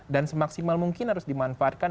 dan semaksimal mungkin harus dimanfaatkan